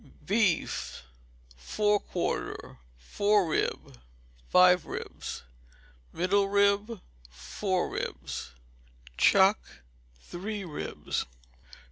Beef. Fore Quarter Fore rib (five ribs); middle rib (four ribs); chuck (three ribs).